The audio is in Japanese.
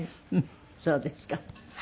そうですか。